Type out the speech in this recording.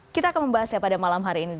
kita akan membahasnya pada malam hari ini